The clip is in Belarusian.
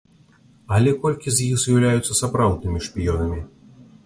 Але колькі з іх з'яўляюцца сапраўднымі шпіёнамі?